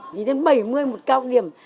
chỉ lên bảy mươi đồng một cao điểm